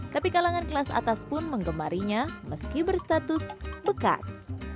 tapi kalangan kelas atas pun mengemarinya meski berstatus bekas